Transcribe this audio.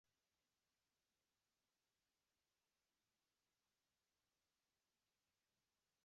Josh cura a Laura y su piel vuelve a pasar del negro al dorado.